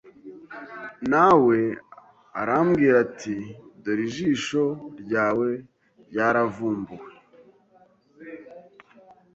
Na we arambwira ati Dore ijisho ryawe ryaravumbuwe